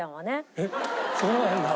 えっそうなんだ。